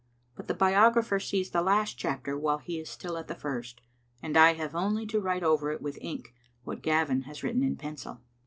But the biographer sees the last chapter while he is still at the first, and I have only to write over with ink what Gavin has written in pencil.